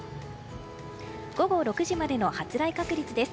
午後６時までの発雷確率です。